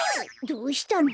どうしたの？